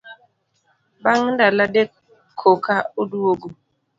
Bang ndalo adek koka oduogo.